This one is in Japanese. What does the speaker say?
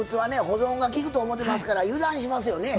保存がきくと思うてますから油断しますよね。